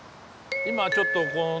今ちょっとこうね